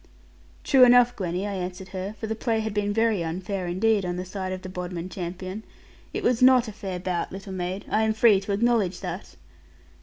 'True enough, Gwenny,' I answered her; for the play had been very unfair indeed on the side of the Bodmin champion; 'it was not a fair bout, little maid; I am free to acknowledge that.'